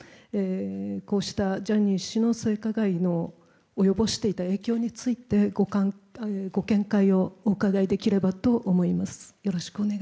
こうしたジャニー氏が性加害を及ぼしていた影響についてご見解をお伺いできればと思います。